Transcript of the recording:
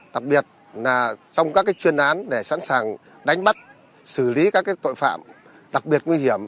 đặc biệt là trong các chuyên án để sẵn sàng đánh bắt xử lý các tội phạm đặc biệt nguy hiểm